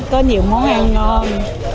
có nhiều món ăn ngon